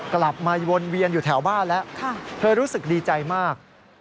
กลับมาวนเวียนอยู่แถวบ้านแล้วเธอรู้สึกดีใจมาก